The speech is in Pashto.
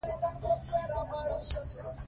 ماري کوري ولې د نوې ماده د تاثیر مطالعه وکړه؟